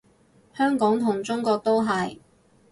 香港同中國都係